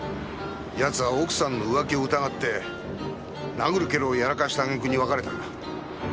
奴は奥さんの浮気を疑って殴る蹴るをやらかしたあげくに別れたんだ。